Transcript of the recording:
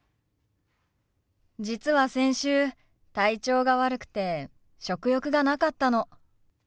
実は先週体調が悪くて食欲がなかったの。